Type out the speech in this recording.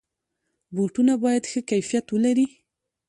بوټونه باید ښه کیفیت ولري.